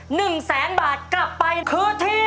หนึ่งแสนบาทกลับไป๓๑๐๐ฝาตรี